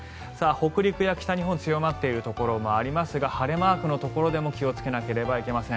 北陸や北日本強まっているところもありますが晴れマークのところでも気をつけなければいけません。